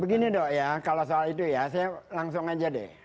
begini dok ya kalau soal itu ya saya langsung aja deh